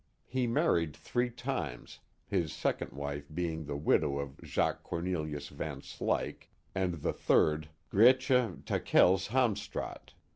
He married three times, his second wife be ing the widow of Jacques Cornelius Van Slyke, and the third, Greitje Takelse Hemstraat.